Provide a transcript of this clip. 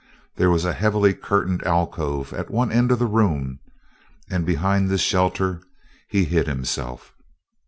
There was a heavily curtained alcove at one end of the room, and behind this shelter he hid himself.